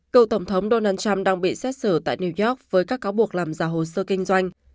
cựu tổng thống donald trump đang bị xét xử tại new york với các cáo buộc làm giả hồ sơ kinh doanh